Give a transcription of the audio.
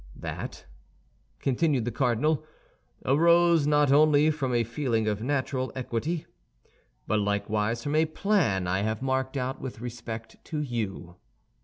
"That," continued the cardinal, "arose not only from a feeling of natural equity, but likewise from a plan I have marked out with respect to you."